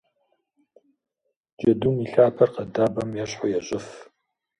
Джэдум и лъапэр къэдабэм ещхьу ещӏыф.